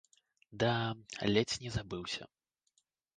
Да, ледзь не забыўся.